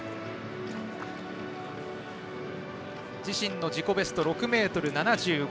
自身の自己ベスト、６ｍ７５。